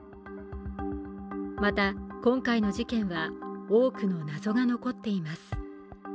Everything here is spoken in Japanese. また、今回の事件は多くの謎が残っています。